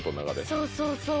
そうそう。